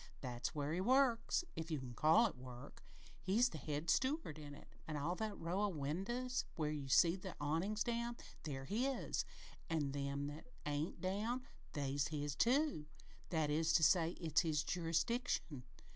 That's where he works if you can call it work. He's the head steward in it. All that row o' winders where you see the awnin's down, they're his an' them that ain't down, they're his, too that is to say, it's his jurisdiction.